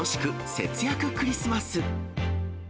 節約クリスマス。